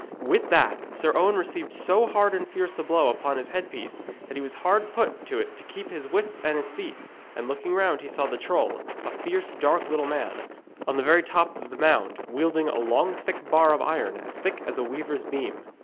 With that Sir Owen received so hard and fierce a blow upon his headpiece that he was hard put to it to keep his wits and his seat; and looking round he saw the troll, a fierce dark little man, on the very top of the mound, wielding a long thick bar of iron, as thick as a weaver's beam.